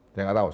saya nggak tahu